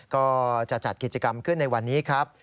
ก็จะจัดกิจกรรมขึ้นในวันนี้ครับ